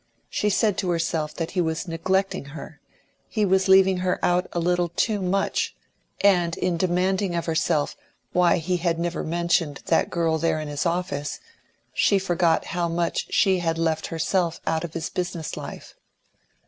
She said to herself that he was neglecting her; he was leaving her out a little too much; and in demanding of herself why he had never mentioned that girl there in his office, she forgot how much she had left herself out of his business life.